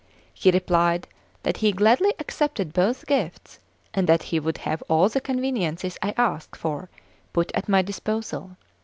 He replied that he gladly accepted both gifts, and that he would have all the conveniences I asked for put at my disposal.